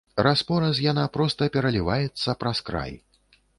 Раз-пораз яна проста пераліваецца праз край.